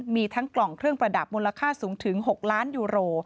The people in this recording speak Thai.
มีทั้งกล่องเครื่องประดับมูลค่าสูงถึง๖ล้านยูโร